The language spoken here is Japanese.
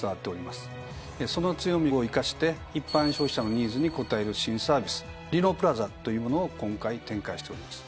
その強みを生かして一般消費者のニーズに応える新サービス「リノプラザ」というものを今回展開しております。